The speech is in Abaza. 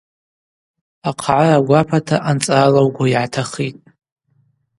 Ахъгӏара гвапата анцӏрала угвы йгӏатахитӏ.